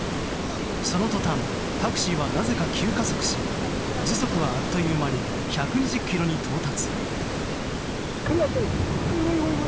その途端、タクシーはなぜか急加速し時速はあっという間に１２０キロに到達。